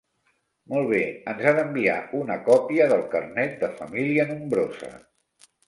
Molt bé, ens ha d'enviar una còpia del carnet de família nombrosa.